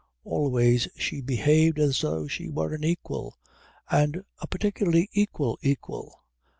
Always she behaved as though she were an equal, and a particularly equal equal.